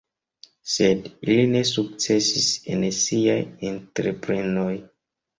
Sed ili ne sukcesis en siaj entreprenoj.